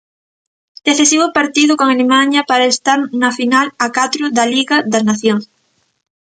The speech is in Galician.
Decisivo partido con Alemaña para estar na final a catro da Liga das Nacións.